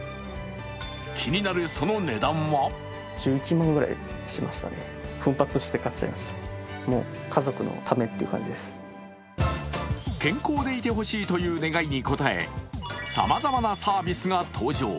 気になるその値段は健康でいてほしいという願いに応え、さまざまなサービスが登場。